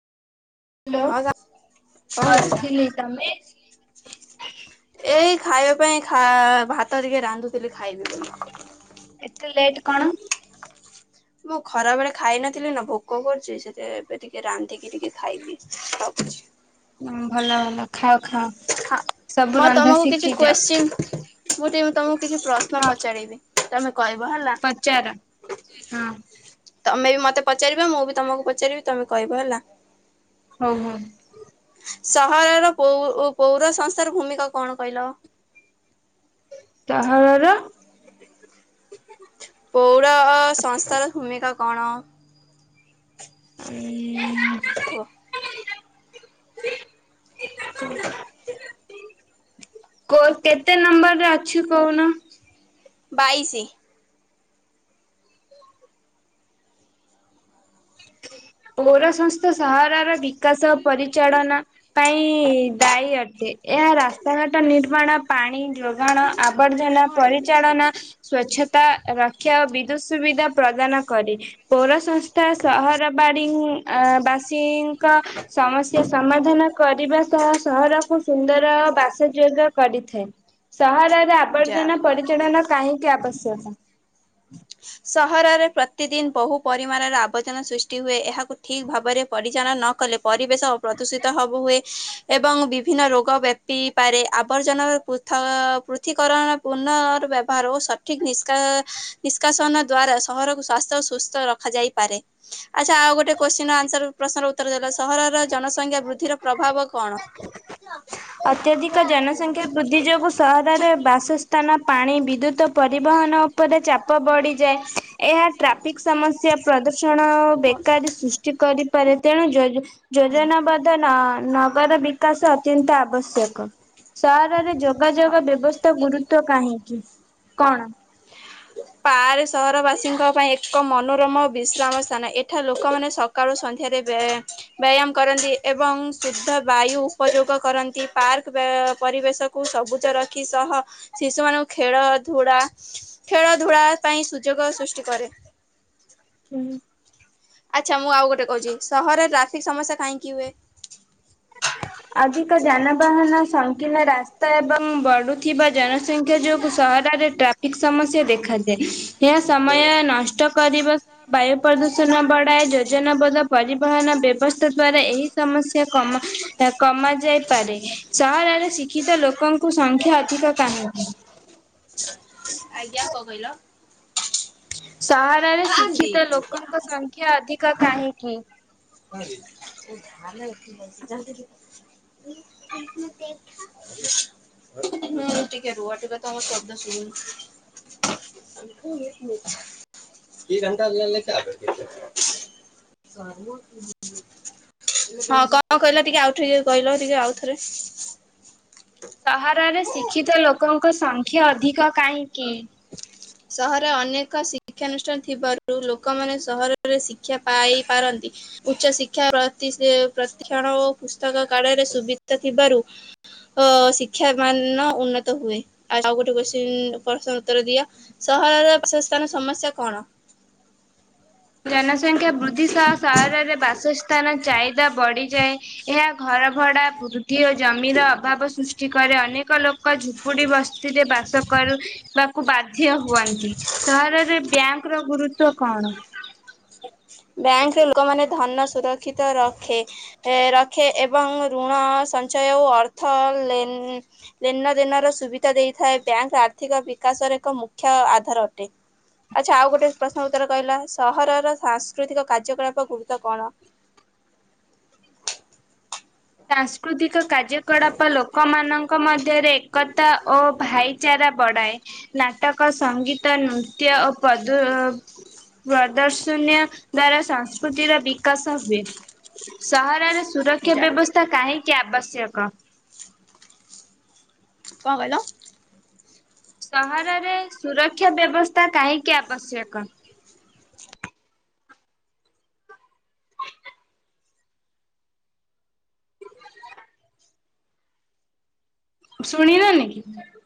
Hello ଆଉ ଯା କଣ ବସ୍ କରୁଛ ଥିଲି ତମେ? ଏଇ ଖାଇବା ପାଇଁ ଖା ଭାତ ଟିକେ ରାନ୍ଧୁଥିଲି ଖାଇବି ବୋଲି। ଏତେ ଲେଟ୍ କଣ? ମୁଁ ଖରା ବେଳେ ଖାଇ ନଥିଲି ନା ଭୋକ କରୁଛି ସେତେ ଟିକେ ରାନ୍ଧିକି ଟିକେ ଖାଇଦିଏ ଭାବୁଛି। ହଁ ଭଲ ଭଲ ଖାଅ ଖାଅ। ହଁ ସବୁ ମୋର ରନ୍ଧା ତମକୁ କିଛି ଶିଖିଯାଅ କ୍ୱସ୍ଚୀନ୍ ମୁଁ ଟିକେ ତମକୁ କିଛି ପ୍ରଶ୍ନ ପଚାରିବି ତମେ କହିବ ହେଲା। ପଚାରା ହଁ। ତମେ ବି ମତେ ପଚାରିବ ମୁଁ ବି ତମକୁ ପଚାରିବି ତମେ କହିବ ହେଲା। ହଉ-ହଉ। ସହରର ପୌ ପୌର ସଂସ୍ଥାର ଭୂମିକା କଣ କହିଲ? ତାହାରର ପୌରହ ସଂସ୍ଥାର ଭୂମିକା କଣ? ଉଁ-ଉଁ-ଉଁ [unintelligible] [inaudible] କୋ କେତେ ନମ୍ବରରେ ଅଛି କହୁନ? ବାଇଶି। ପୌର ସଂସ୍ଥା ସହରର ବିକାଶ ପରିଚାଳନା ପାଇଁ-ଇ-ଇ ଦାୟୀ ଅଟେ ଏହା ରାସ୍ତାଘାଟ ନିର୍ମାଣ ପାଣି ଯୋଗାଣ ଆବର୍ଜନା ପରିଚାଳନା ସ୍ଵଚ୍ଛତା ରକ୍ଷା ଓ ବିଦ୍ୟୁତ ସୁବିଧା ପ୍ରଦାନ କରେ, ପୌର ସଂସ୍ଥା ସହର ବାଡ଼ିଙ୍କ୍ ଆଁ ବାସୀଙ୍କ ସମସ୍ୟା ସମାଧାନ କରିବା ସହ ସହରକୁ ସୁନ୍ଦର ଓ ବାସଯୋଗ କରିଥାଏ। ସହରରେ ଆବର୍ଜନା ଯାହଉ ପରିଚାଳନା କାହିଁକି ଆବଶ୍ୟକ? ସହରରେ ପ୍ରତିଦିନ ବହୁ ପରିମାଣର ଆବର୍ଜନା ସୃଷ୍ଟି ହୁଏ ଏହାକୁ ଠିକ୍ ଭାବରେ ପରିଚାଳନ ନ କଲେ ପରିବେଶ ପ୍ରଦୂଷିତ ହବୁ ହୁଏ ଏବଂ ବିଭିନ୍ନ ରୋଗ ବ୍ୟାପିପାରେ ଆବର୍ଜନାର ପୂତ୍ ଥ ପୃଥିକରଣ ପୁର୍ନ ବ୍ୟାପାର ଓ ସଠିକ୍ ନିଷ୍କା ନିଷ୍କାସନ ଦ୍ଵାରା ସହରକୁ ସ୍ୱାସ୍ଥ୍ୟ ଓ ସୁସ୍ଥ ରଖାଯାଇପାରେ। ଆଚ୍ଛା ଆଉ ଗୋଟେ କୋଶ୍ଚିନ୍ ର ଆନ୍ସର ପ୍ରଶ୍ନର ଉତ୍ତର ଦେଲ ସହରର ଜନସଂଖ୍ୟା ବୃଦ୍ଧିର ପ୍ରଭାବ କଣ? ଅତ୍ୟଧିକ ଜନସଂଖ୍ୟା ବୃଦ୍ଧି ଯୋଗୁଁ ସହରରେ ବାସସ୍ଥାନ ପାଣି ବିଦ୍ୟୁତ ପରିବହନ ଉପରେ ଚାପ ବଢିଯାଏ, ଏହା ଟ୍ରାଫିକ୍ ସମସ୍ୟା ପ୍ରଦୂଷଣ ହଁ। ବେକାରୀ ସୃଷ୍ଟି କରିପାରେ ତେଣୁ ଯୋଜ ଯୋଜନାବଦ୍ଧ ନ ନଗର ବିକାଶ ଅତ୍ୟନ୍ତ ଆବଶ୍ୟକ। ସହରରେ ଯୋଗାଯୋଗ ବ୍ୟବସ୍ଥା ଗୁରୁତ୍ୱ କାହିଁକି, କଣ? ପାର୍ ସହରବାସୀଙ୍କ ପାଇଁ ଏକ ମନୋରମ ବିଶ୍ରାମ ସ୍ଥାନ ଏଠା ଲୋକମାନେ ସ ସକାଳୁ ସନ୍ଧ୍ୟାରେ ବ୍ୟାୟା ବ୍ୟାୟାମ୍ କରନ୍ତି ଏବଂ ଶୁଦ୍ଧ ବାୟୁ ଉପଯୋଗ କରନ୍ତି ପାର୍କ ବେ ପରିବେଶ କୁ ସବୁଜ ରଖି ସହ ଶିଶୁମାନଙ୍କୁ ଖେଳ ଧୁଡା ଖେଳ ଧୂଳା ପାଇଁ ସୁଯୋଗ ସୃଷ୍ଟି କରେ। ହୁଁ। ଆଚ୍ଛା ମୁଁ ଆଉ ଗୋଟେ କହୁଛି ସହରରେ ଟ୍ରାଫିକ୍ ସମସ୍ୟା କାହିଁକି ହୁଏ? ଅଧିକ ଯାନବାହନ ସଂକୀର୍ଣ୍ଣ ରାସ୍ତା ଏବଂ ବଢୁଥିବା ଜନସଂଖ୍ୟା ଯୋଗୁଁ ସହରରେ ଟ୍ରାଫ୍ ଫିକ୍ ସମସ୍ୟା ଦେଖାଯାଏ ଏହା ସମୟ ନଷ୍ଟ କରିବା ସହ ବାୟୁ ପ୍ରଦୂଷଣ ବଢାଏ ଯୋଜନାବଦ୍ଧ ପରିବହନ ବ୍ୟବସ୍ଥା ଦ୍ଵାରା ଏହି ସମସ୍ୟା କମା ଏହା କମା ଯାଇପାରେ ସହରରେ ଶିକ୍ଷିତ ଲୋକଙ୍କୁ ସଂଖ୍ୟା ଅଧିକ କାହିଁକି? ଆଜ୍ଞା କଣ କହିଲ? ସହରରେ ହୁଁ ଶିକ୍ଷିତ ଲୋକଙ୍କ ସଂଖ୍ୟା ଅଧିକ କାହିଁକି? [unintelligible] ହୁଁ ଟିକେ ରୁହ ଟିକେ ତମ ଶବ୍ଦା ଶୁଭୁନି [unintelligible] [unintelligible] ହଁ କଣ କହିଲ ଟିକେ ଆଉଥରେ କହିଲ ଟିକେ ଆଉଥରେ? ସହରରେ ଶିକ୍ଷିତ ଲୋକଙ୍କ ସଂଖ୍ୟା ଅଧିକ କାହିଁକି? ସହର ଅନେକ ଶିକ୍ଷାନୁଷ୍ଠାନ ଥିବାରୁ ଲୋକମାନେ ସହରରେ ଶିକ୍ଷା ପାଇ ପାରନ୍ତି। ଉଚ୍ଚ ଶିକ୍ଷାତି ପ୍ରତି୍ଷଣ ଓ ପୁସ୍ତକ କାଳରେ ସୁବିଧା ଥିବାରୁ ତ ଶିକ୍ଷା ମାନ ଉନ୍ନତ ହୁଏ। ଆଉ ଆଉ ଗୋଟେ କୋଶ୍ଚିନ ପ୍ରଶ୍ନର ଉତ୍ତର ଦିଅ? [unintelligible] ସମସ୍ୟା କଣ? ଜନସଂଖ୍ୟା ବୃଦ୍ଧି ସହ ସହରରେ ବାସସ୍ଥାନ ଚାହିଦା ବଢିଯାଏ। ଏହା ଘର ଭଡା ବୃଦ୍ଧି ଓ ଜମିର ଅଭାବ ସୃଷ୍ଟି କରେ। ଅନେକ ଲୋକ ଝୁପୁଡି ବସି ରେ ଯେ ବାସ କରୁ ବା କୁ ବାଧ୍ୟ୍ୟ ହୁଅନ୍ତି। ସହରରେ ବ୍ୟାଙ୍କର ଗୁରୁତ୍ବ କଣ? ବ୍ୟାଙ୍କରେ ଲୋକମାନେ ଧନ ସୁରକ୍ଷିତ ରଖେ। ରଖେ ଏବଂ ଋଣ ସଞ୍ଚୟ ଓ ଅର୍ଥ ଲେନ୍ ଦିନ ଦିନ ର ସୁବିଧା ଦେଇଥାଏ ବ୍ୟାଙ୍କ୍ ଆର୍ଥିକ ବିକାଶର ଏକ ମୁଖ୍ୟ ଆଧାର ଅଟେ। ଆଚ୍ଛା ଆଉ ଗୋଟେ ପ୍ରଶ୍ନର ଉତ୍ତର କହିଲା ସହରର ସାଂସ୍କୃତିକ କାର୍ଯ୍ୟକଳାପ ଗୁରୁତ୍ବ କଣ? ସାଂସ୍କୃତିକ କାର୍ଯ୍ୟକଳାପ ଲୋକମାନଙ୍କ ମଧ୍ୟରେ ଏକତା ଓ ଭାଇ ଚାରା ବଢାଏ ନାଟକ, ସଙ୍ଗୀତ, ନୃତ୍ୟ ଓ ପ୍ରଦ ପ୍ରଦର୍ଶନୀୟ ଦ୍ଵାରା ସଂସ୍କୃତିର ବିକାଶ ହୁଏ। ସହରରେ ସୁରକ୍ଷା ଯା ବ୍ୟବସ୍ଥା କାହିଁକି ଆବଶ୍ୟକ? କଣ କହିଲ? ସହରରେ ସୁରକ୍ଷା ବ୍ୟବସ୍ଥା କାହିଁକି ଆବଶ୍ୟକ? ଶୁଣିଲ ନି କି?